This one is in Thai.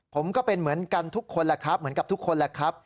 ผมก็เป็นเหมือนกันทุกคนแหละครับเหมือนกับทุกคนแหละครับ